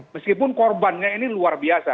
meskipun korbannya ini luar biasa